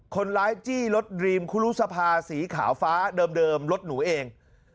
คนร้ายจี้รถดรีมคุรุษภาสีขาวฟ้าเดิมรถหนูเอง